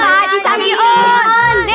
pak haji samion